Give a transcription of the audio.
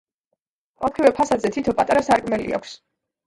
ოთხივე ფასადზე თითო პატარა სარკმელი აქვს.